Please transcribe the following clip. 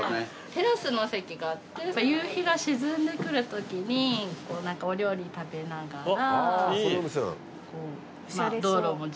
テラスの席があって夕日が沈んでくる時にお料理食べながら。